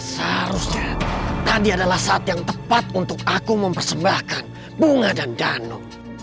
seharusnya tadi adalah saat yang tepat untuk aku mempersembahkan bunga dan danau